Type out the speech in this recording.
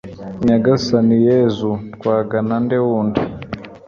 nyagasani yezu, twagana nde wundi